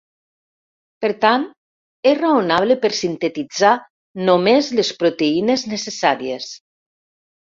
Per tant, és raonable per sintetitzar només les proteïnes necessàries.